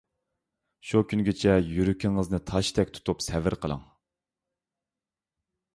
شۇ كۈنگىچە يۈرىكىڭىزنى تاشتەك تۇتۇپ سەۋر قىلىڭ!